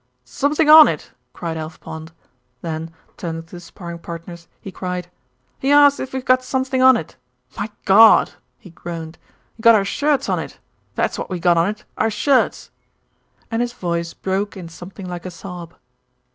"Something on it!" cried Alf Pond; then, turning to the sparring partners, he cried, "He asks if we've got somethink on it. My Gawd!" he groaned, "we got our shirts on it. That's what we got on it, our shirts," and his voice broke in something like a sob.